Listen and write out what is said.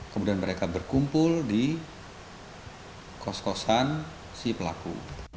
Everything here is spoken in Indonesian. kemudian mereka berkumpul di kos kosan si pelaku